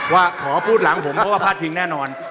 ว่าขอพูดหลังผมเพราะว่าพาดพิงแน่นอน